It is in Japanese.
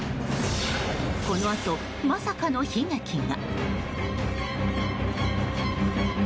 このあと、まさかの悲劇が。